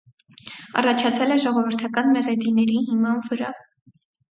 Առաջացել է ժողովրդական մեղեդիների հիման վրա։